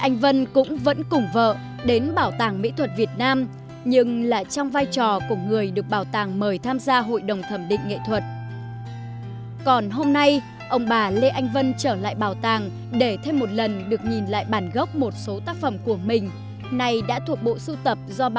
hãy đăng ký kênh để ủng hộ kênh của chúng mình nhé